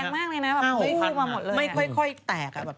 ไม่ค่อยแตกอะ